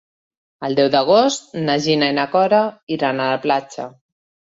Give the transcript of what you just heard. El deu d'agost na Gina i na Cora iran a la platja.